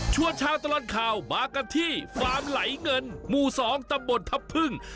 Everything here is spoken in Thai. ชาวตลอดข่าวมากันที่ฟาร์มไหลเงินหมู่๒ตำบลทัพพึ่ง